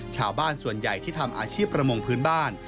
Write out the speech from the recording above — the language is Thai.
ชาวบ้านส่วนใหญ่ที่ทำอาชีพประมงพื้นบ้าน